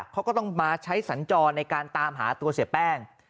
เขาก็ต้องมาใช้สัญจรในการตามหาตัวเสียแป้ง